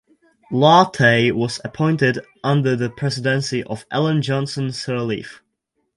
Larteh was appointed under the Presidency of Ellen Johnson Sirleaf.